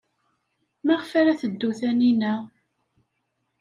Maɣef ara teddu Taninna?